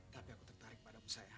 tapi aku tertarik padamu saya